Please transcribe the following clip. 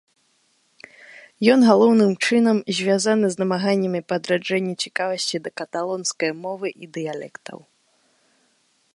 Ён галоўным чынам звязаны з намаганнямі па адраджэнні цікавасці да каталонскай мовы і дыялектаў.